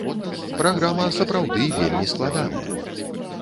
Праграма сапраўды вельмі складаная.